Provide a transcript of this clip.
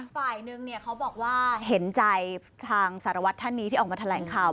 ฝ่ายหนึ่งเขาบอกว่าเห็นใจทางสารวัตรท่านนี้ที่ออกมาแถลงข่าว